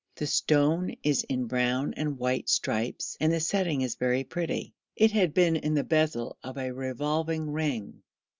The stone is in brown and white stripes, and the setting is very pretty. It had been in the bezel of a revolving ring.